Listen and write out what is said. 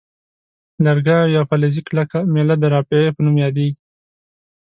لرګی او یا فلزي کلکه میله د رافعې په نوم یادیږي.